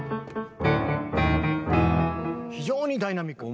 非常にダイナミック。